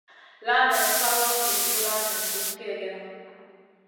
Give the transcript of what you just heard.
La nen fawa gurjuda nen guss kegena.